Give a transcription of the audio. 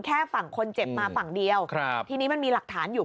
มันมีแค่ฝั่งคนเจ็บมาฝั่งเดียวที่นี่มันมีหลักฐานอยู่